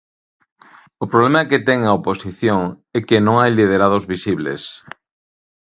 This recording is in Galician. O problema que ten a oposición é que non hai liderados visibles.